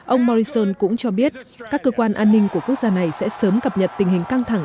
ông morrison cũng cho biết các cơ quan an ninh của quốc gia này sẽ sớm cập nhật tình hình căng thẳng